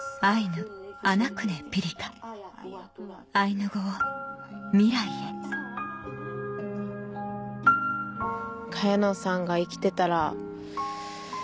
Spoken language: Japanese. アイヌアナネピカアイヌ語を未来へ萱野さんが生きてたら。